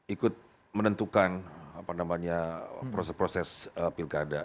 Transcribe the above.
ikut menentukan apa namanya proses proses pilkada